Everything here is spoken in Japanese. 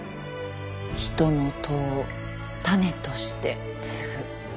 人の痘を種として接ぐ。